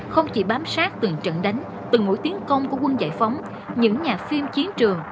không chỉ bám sát từng trận đánh từng mũi tiến công của quân giải phóng những nhà phim chiến trường